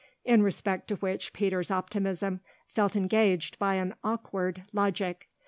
in respect to which Peter's optimism felt engaged by an awkward logic.